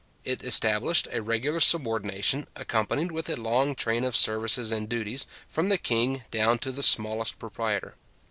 It established a regular subordination, accompanied with a long train of services and duties, from the king down to the smallest proprietor.